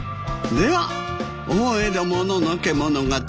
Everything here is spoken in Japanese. では「大江戸もののけ物語」